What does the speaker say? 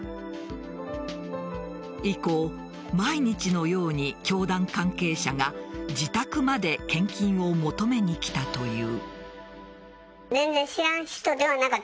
以降、毎日のように教団関係者が自宅まで献金を求めに来たという。